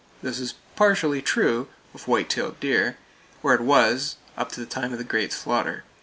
This is partially true of white tailed deer, or it was up to the time of great slaughter.